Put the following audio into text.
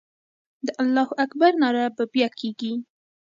د الله اکبر ناره به بیا کېږي.